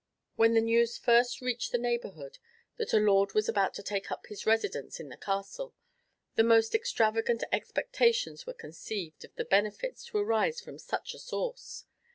When the news first reached the neighborhood that a lord was about to take up his residence in the Castle, the most extravagant expectations were conceived of the benefits to arise from such a source.